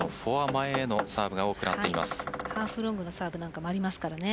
ハーフロングのサーブなんかもありますからね。